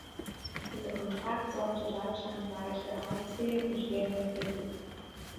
Dieser Kontrakt sorgte deutschlandweit für Aufsehen und schwere Kritik.